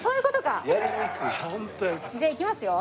じゃあいきますよ。